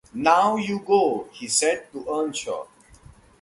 ‘Now, you go!’ he said to Earnshaw.